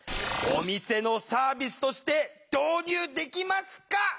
お店のサービスとして導入できますか？